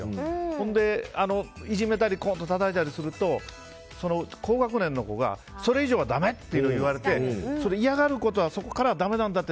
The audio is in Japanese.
それで、いじめたりたたいたりするとその高学年の子がそれ以上はだめと言われて嫌がることにはそこからだめなんだって